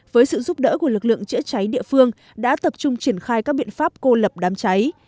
với sự giúp đỡ của lực lượng chữa cháy địa phương đã tập trung triển khai các biện pháp cô lập đám cháy